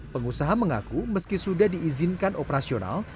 pengusaha mengaku meski sudah diizinkan operasional